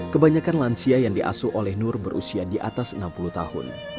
kebanyakan lansia yang diasuh oleh nur berusia di atas enam puluh tahun